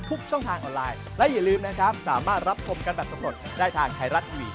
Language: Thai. ต้องเข้าไปรักษาดีกว่าครับ